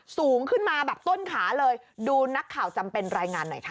สูงขึ้นมาแบบต้นขาเลยดูนักข่าวจำเป็นรายงานหน่อยค่ะ